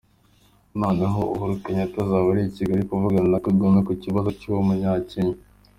noneho uhuru kenyata azaba ali i kigali kuvugana na kagome kukibazo cy’uwo munyakenya